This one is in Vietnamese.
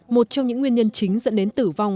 một trong những nguyên nhân chính dẫn đến tử vong